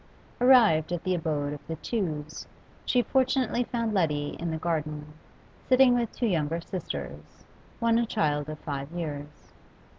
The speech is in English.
Arrived at the abode of the Tews, she fortunately found Letty in the garden, sitting with two younger sisters, one a child of five years.